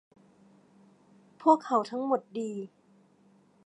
พวกเขาทั้งหมดดี